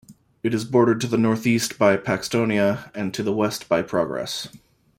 It is bordered to the northeast by Paxtonia and to the west by Progress.